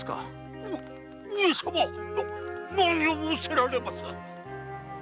上様何を仰せられます。